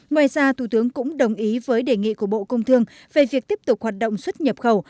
ngoài ra thủ tướng cũng đồng ý với đề nghị của bộ công thương về việc tiếp tục hoạt động xuất nhập khẩu